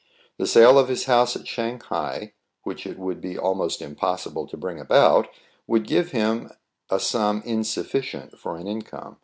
The sale of his house at Shang hai, which it would be almost impossible to bring about, would give him a sum insufficient for an income.